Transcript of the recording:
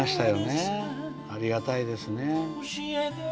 ありがたいですね。